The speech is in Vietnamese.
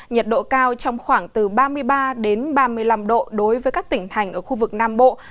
nhiệt độ cao trong khoảng từ ba mươi ba ba mươi năm độ đối với các tỉnh thành ở khu vực nam bộ